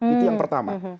itu yang pertama